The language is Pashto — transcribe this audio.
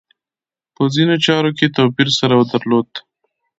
په ځینو چارو کې توپیر سره درلود.